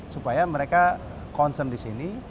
supaya mereka concern di sini